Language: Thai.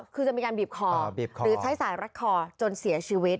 คือจะมีการบีบคอหรือใช้สายรัดคอจนเสียชีวิต